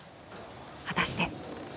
果たして。